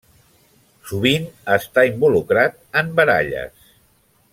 Sovint està involucrat en baralles.